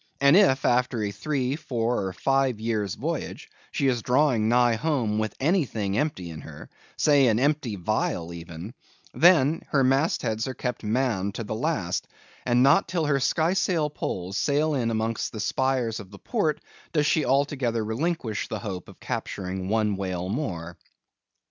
And if, after a three, four, or five years' voyage she is drawing nigh home with anything empty in her—say, an empty vial even—then, her mast heads are kept manned to the last; and not till her skysail poles sail in among the spires of the port, does she altogether relinquish the hope of capturing one whale more.